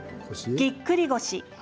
ぎっくり腰。